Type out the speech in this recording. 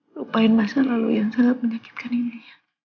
lupain masalah lu yang sangat menyakitkan ini